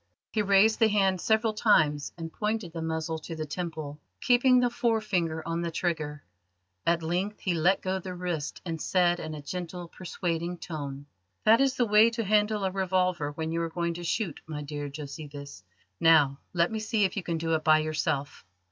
He raised the hand several times, and pointed the muzzle to the temple, keeping the forefinger on the trigger. At length he let go the wrist, and said in a gentle, persuading tone: "That is the way to handle a revolver when you are going to shoot, my dear Josephus. Now, let me see if you can do it by yourself."